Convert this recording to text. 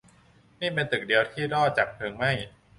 นี่เป็นตึกเดียวที่รอดจากเพลิงไหม้